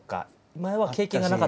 前は経験がなかったこと。